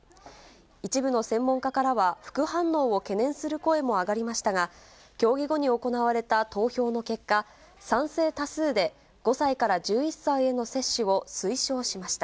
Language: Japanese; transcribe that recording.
一部の専門家からは、副反応を懸念する声も上がりましたが、協議後に行われた投票の結果、賛成多数で５歳から１１歳への接種を推奨しました。